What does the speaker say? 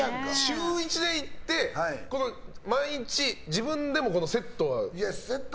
週１で行って毎日自分でもセットは？